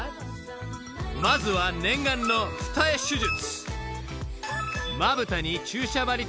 ［まずは念願の二重手術］